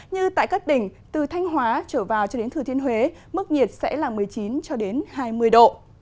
như tại các tỉnh từ thanh hóa trở vào cho đến thừa thiên huế mức nhiệt sẽ là một mươi chín hai mươi độ